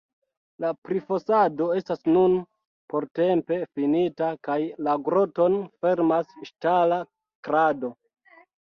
La prifosado estas nun portempe finita, kaj la groton fermas ŝtala krado.